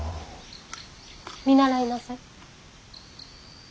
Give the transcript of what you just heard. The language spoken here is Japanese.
見習いなさい。